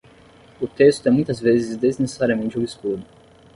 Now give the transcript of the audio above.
O texto é muitas vezes desnecessariamente obscuro.